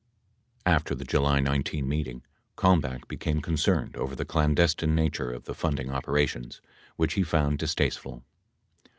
85 After the July 19 meeting, Kalmbach became concerned over the clandestine nature of the funding operations, which he found distaste ful.